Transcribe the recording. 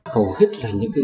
hầu hết là những người